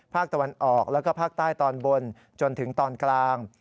ภาคตะวันออกแล้วก็ภาคใต้ตอนบนจนถึงตอนกลาง